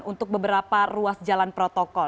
untuk beberapa ruas jalan protokol